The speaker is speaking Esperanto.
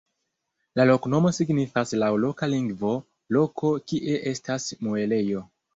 La loknomo signifas laŭ loka lingvo "loko kie estas muelejo".